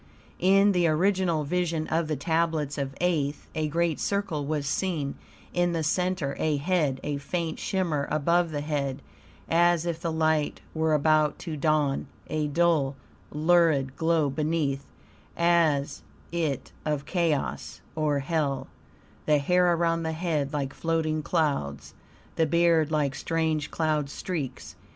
In the original Vision of the Tablets of Aeth a great circle was seen, in the center a head, a faint shimmer above the head, as if the light were about to dawn; a dull, lurid glow beneath, as if of chaos or hell; the hair around the head like floating clouds, the beard like strange cloud streaks.